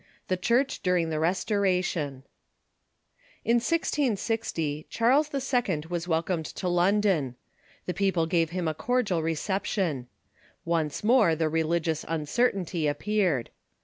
The Church of the Restoration.] In 1660 Charles II. was welcomed to London. The people gave him a cordial reception. Once more the religious uncer tainty appeared.